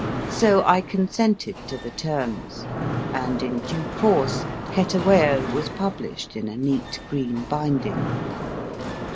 So I consented to the terms, and in due course * Cetcwayo was published in a neat green binding.